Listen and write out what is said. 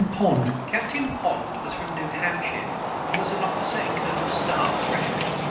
] [Footnote 158: Captain Pond was from New Hampshire, and was an officer in Colonel Stark's regiment.